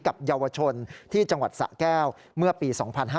กับเยาวชนที่จังหวัดสะแก้วเมื่อปี๒๕๕๙